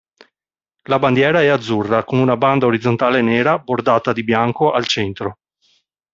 La bandiera è azzurra, con una banda orizzontale nera bordata di bianco al centro.